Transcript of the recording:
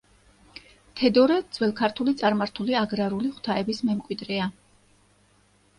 თედორე ძველქართული წარმართული აგრარული ღვთაების მემკვიდრეა.